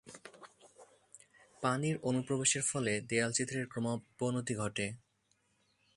পানির অনুপ্রবেশের ফলে দেয়ালচিত্রের ক্রমাবনতি ঘটে।